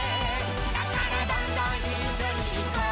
「だからどんどんいっしょにいこう」